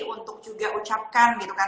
untuk juga ucapkan gitu kan